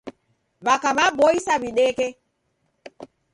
W'aka w'aboisa w'ideke.